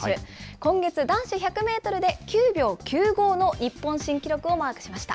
今月、男子１００メートルで９秒９５の日本新記録をマークしました。